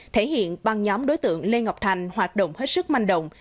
thể hiện băng nhóm đối tượng lê ngọc thành hoạt động hết sức manh động